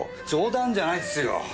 冗談じゃないっすよ。